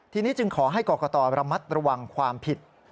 ทีนี้จึงขอให้กรกตระมัดระวังความผิด